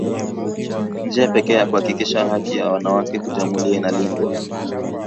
njia pekee ya kuhakikisha haki ya wanawake kujiamulia inalindwa